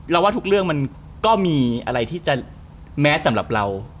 ว่าทุกเรื่องมันก็มีอะไรที่จะแมสสำหรับเรา